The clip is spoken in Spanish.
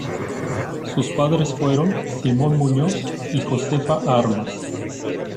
Sus padres fueron Simón Muñoz y Josefa Armas.